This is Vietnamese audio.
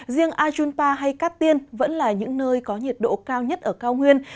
riêng ajunpa hay cát tiên vẫn là những nơi có nhiệt độ cao nhất ở cao nguyên